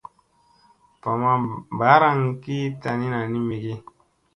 Va ma mbaaraŋ ki tanina ni mige.